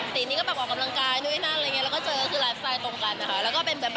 สีนี้ก็ออกกำลังกายด้วยนะเราก็เจอคือไลฟ์สไตล์ตรงกันนะคะ